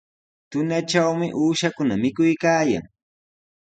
Tunatrawmi uushakuna mikuykaayan.